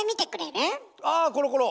あコロコロ！